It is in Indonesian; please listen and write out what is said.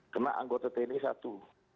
kena anggota tni satu